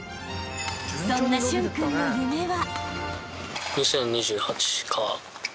［そんな駿君の夢は］